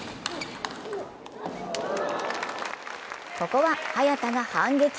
ここは早田が反撃。